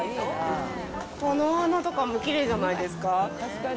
このお花とかもきれいじゃないですか？